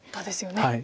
はい。